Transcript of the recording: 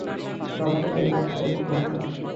রক্ত লেগে থাকা একটি হাড়।